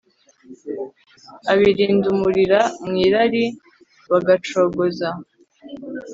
Abirundumurira mu irari bagacogoza